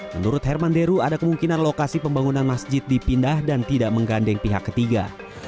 menurut herman deru ada kemungkinan lokasi pembangunan masjid dipindah dan tidak menggandeng pihak ketiga